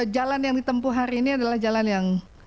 jalan yang ditempuh hari ini adalah jalan yang